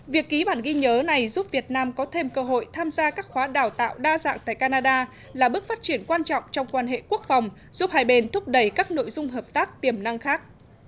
việc ký bản ghi nhớ này giúp việt nam có thêm cơ hội tham gia các khóa đào tạo đa dạng tại canada là bước phát triển quan trọng trong quan hệ quốc phòng giúp hai bên thúc đẩy các nội dung hợp tác tiềm năng khác